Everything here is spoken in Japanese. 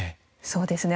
そうですね。